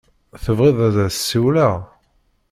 Tebɣiḍ ad as-ssiwleɣ?